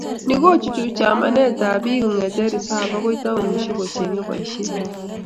Ni kochuchuchi amanetab bik kongetkei risap agoi taonisiek kochengei boisiet